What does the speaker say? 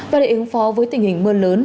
và để ứng phó với tình hình mưa lớn